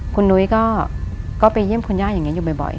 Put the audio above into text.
คุณนุ้ยก็ไปเยี่ยมคุณย่าอย่างนี้อยู่บ่อย